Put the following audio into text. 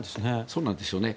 そうなんでしょうね。